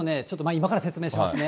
今から説明しますね。